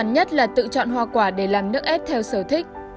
chất đó cũng là ngang của anh